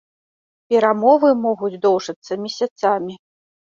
Перамовы могуць доўжыцца месяцамі.